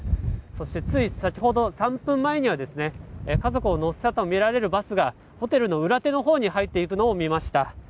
そして、つい先ほど３分前には家族を乗せたとみられるバスがホテルの裏手のほうに入っていくのを見ました。